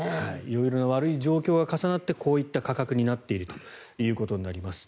色々な悪い状況が重なってこういった価格になっているということです。